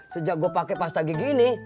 sejak gue pakai pasta gigi ini